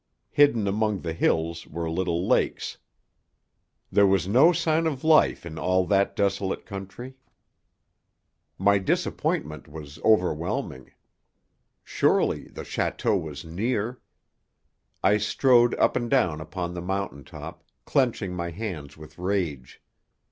Hidden among the hills were little lakes. There was no sign of life in all that desolate country. My disappointment was overwhelming. Surely the château was near. I strode up and down upon the mountain top, clenching my hands with rage.